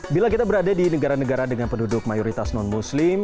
bila kita berada di negara negara dengan penduduk mayoritas non muslim